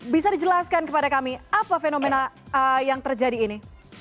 bisa dijelaskan kepada kami apa fenomena yang terjadi ini